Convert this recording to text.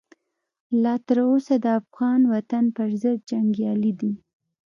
لا تر اوسه د افغان وطن پرضد جنګیالي دي.